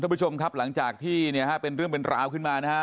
ทุกผู้ชมครับหลังจากที่เป็นเรื่องเป็นราวขึ้นมานะครับ